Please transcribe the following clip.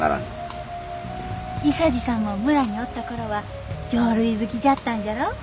伊三治さんも村におった頃は浄瑠璃好きじゃったんじゃろ？